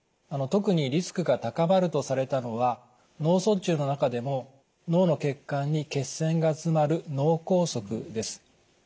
特にリスクが高まるとされたのは脳卒中の中でも脳の血管に血栓が詰まる脳梗塞です。